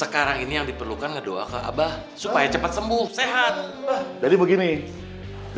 karena sudah sedot sama nyamuk dbd